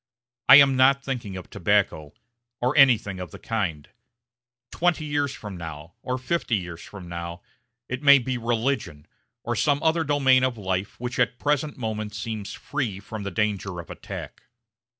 I am not thinking of tobacco, or anything of the kind; twenty years from now, or fifty years from now, it may be religion, or some other domain of life which at the present moment seems free from the danger of attack.